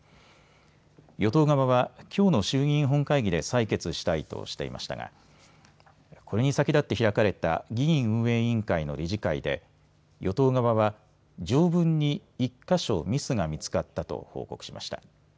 与党側はきょうの衆議院本会議で採決したいとしていましたがこれに先立って開かれた議院運営委員会の理事会で与党側は条文に１か所ミスが見つかったと報告しました。